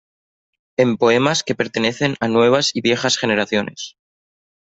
En poemas que pertenecen a nuevas y viejas generaciones.